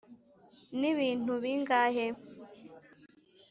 nibintu bingahe,